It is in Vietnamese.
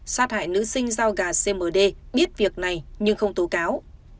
sát hại nữ sinh giao gà cmd biết việc này nhưng không tố cáo